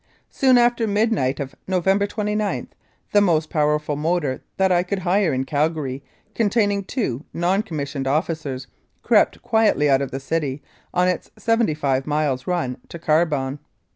Soon after midnight of November 29 the most power ful motor that I could hire in Calgary, containing two non commissioned officers, crept quietly out of the city on its seventy five miles run to Carbon.